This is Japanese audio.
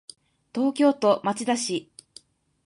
東京都町田市